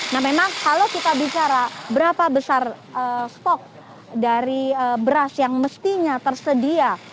nah memang kalau kita bicara berapa besar stok dari beras yang mestinya tersedia